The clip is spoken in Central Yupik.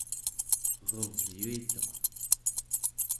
erevyuituq